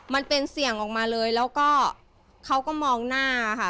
มันเป็นเสียงออกมาเลยแล้วก็เขาก็มองหน้าค่ะ